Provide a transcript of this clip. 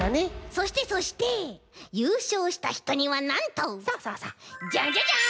そしてそしてゆうしょうしたひとにはなんとジャンジャジャン！